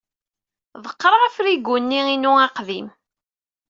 Ḍeqqreɣ afrigu-nni-inu aqdim.